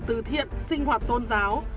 từ thiện sinh hoạt tôn giáo